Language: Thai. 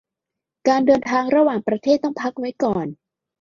การเดินทางระหว่างประเทศต้องพักไว้ก่อน